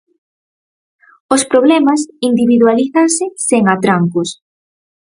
Os problemas individualízanse sen atrancos.